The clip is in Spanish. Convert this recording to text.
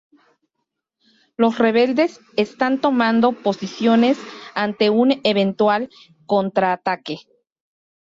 Los rebeldes están tomando posiciones ante un eventual contraataque.